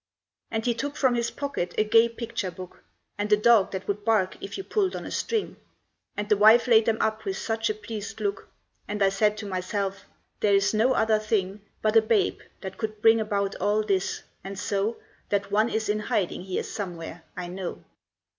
And he took from his pocket a gay picture book, And a dog that would bark if you pulled on a string; And the wife laid them up with such a pleased look; And I said to myself, "There is no other thing But a babe that could bring about all this, and so That one is in hiding here somewhere, I know."